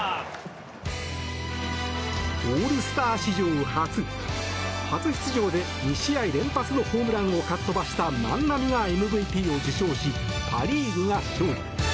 オールスター史上初初出場で２試合連発のホームランをかっ飛ばした万波がＭＶＰを受賞しパ・リーグが勝利。